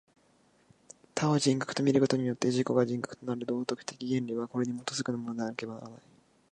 他を人格と見ることによって自己が人格となるという道徳的原理は、これに基づくものでなければならない。